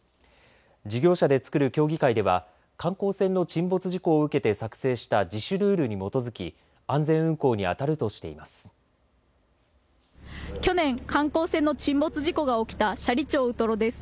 事業者で作る協議会では観光船の沈没事故を受けて作成した自主ルールに基づき去年観光船の沈没事故が起きた斜里町ウトロです。